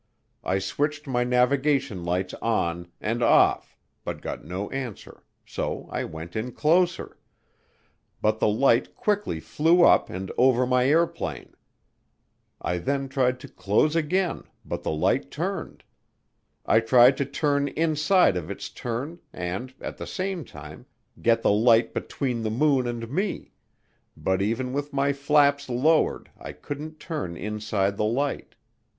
I switched my navigation lights on and off but got no answer so I went in closer but the light quickly flew up and over my airplane. I then tried to close again but the light turned. I tried to turn inside of its turn and, at the same time, get the light between the moon and me, but even with my flaps lowered I couldn't turn inside the light.